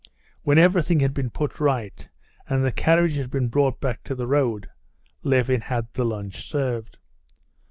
When everything had been put right, and the carriage had been brought back to the road, Levin had the lunch served.